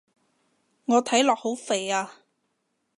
我睇落好肥啊